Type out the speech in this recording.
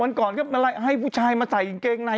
วันก่อนก็มาไลฟ์ให้ผู้ชายมาใส่อิงเกงใน